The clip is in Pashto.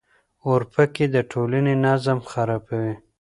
اورپکي د ټولنې نظم خرابوي.